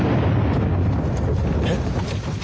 えっ？